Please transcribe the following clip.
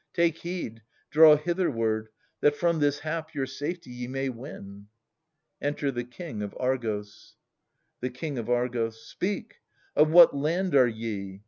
Take heed, draw hitherward, That from this hap your safety ye may win. \Enter the King of Argos. The King of Argos. Speak — of what land are ye?